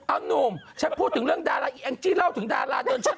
เอานุ่มฉันพูดถึงเรื่องดาราอีแองจี้เล่าถึงดาราเดินฉัน